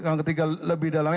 yang ketiga lebih dalam lagi